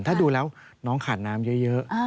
ถ้าดูแล้วน้องขาดน้ำเยอะ